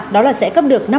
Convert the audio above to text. đó là sẽ cấp được